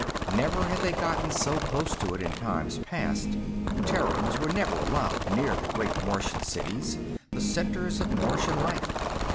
Never had they gotten so close to it in times past. Terrans were never allowed near the great Martian cities, the centers of Martian life.